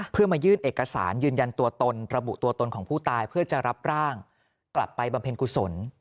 เพื่อมายื่นเอกสารยืนยันตัวตนระบุตัวตนของผู้ตายเพื่อจะรับร่างกลับไปบำเพ็ญกุศล